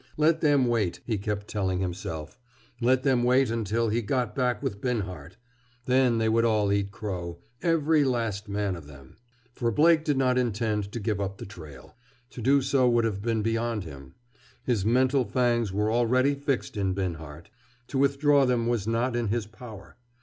Let them wait, he kept telling himself; let them wait until he got back with Binhart! Then they would all eat crow, every last man of them! For Blake did not intend to give up the trail. To do so would have been beyond him. His mental fangs were already fixed in Binhart. To withdraw them was not in his power.